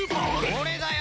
俺だよ！